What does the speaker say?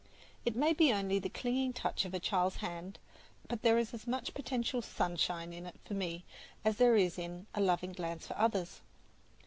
It may be only the clinging touch of a child's hand; but there is as much potential sunshine in it for me as there is in a loving glance for others.